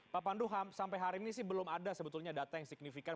pak pandu sampai hari ini sih belum ada sebetulnya data yang signifikan